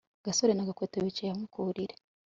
gasore na gakwego bicaye hamwe ku buriri